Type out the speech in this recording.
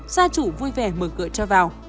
gia chủ vui vẻ mở cửa cho vào